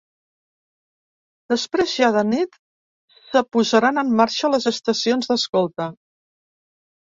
Després, ja de nit, se posaran en marxa les estacions d’escolta.